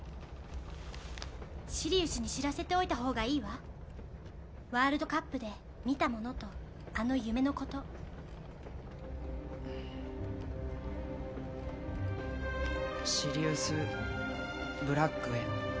シリウスに知らせておいた方がいいわワールドカップで見たものとあの夢のこと「シリウス・ブラックへ」